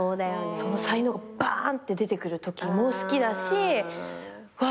その才能がバーンって出てくるときも好きだしわあ